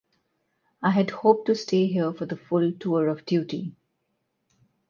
I had hoped to stay here for the full tour of duty.